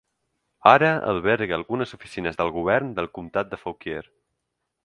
Ara alberga algunes oficines del govern del Comtat de Fauquier.